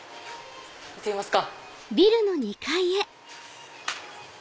行ってみますか。